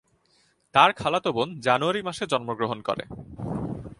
তার খালাতো বোন জানুয়ারি মাসে জন্মগ্রহণ করে।